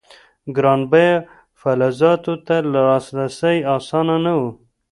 ګران بیه فلزاتو ته لاسرسی اسانه نه و.